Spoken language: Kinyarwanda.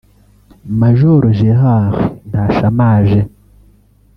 Major Gérard Ntashamaje